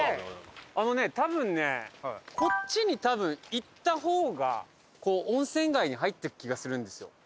多分ねこっちに多分行った方が温泉街に入っていく気がするんですよ。